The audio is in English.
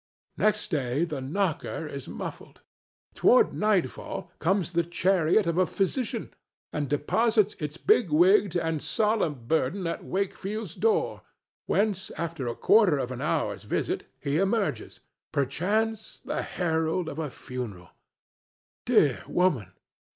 Next day the knocker is muffled. Toward nightfall comes the chariot of a physician and deposits its big wigged and solemn burden at Wakefield's door, whence after a quarter of an hour's visit he emerges, perchance the herald of a funeral. Dear woman!